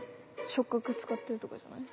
触角使ってるとかじゃない？